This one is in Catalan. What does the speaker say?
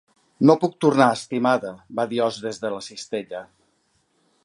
"No puc tornar, estimada" va dir Oz des de la cistella.